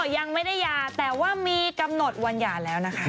ยังไม่ได้ยาแต่ว่ามีกำหนดวันหย่าแล้วนะคะ